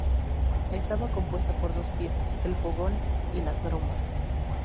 Estaba compuesta por dos piezas, el fogón y la tromba.